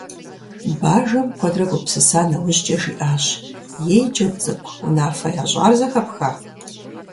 Бажэм, куэдрэ гупсыса нэужькӀэ жиӀащ: «Ей, Джэд цӀыкӀу, унэфэ ящӀар зэхэпха?».